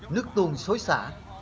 nước tuôn xối xã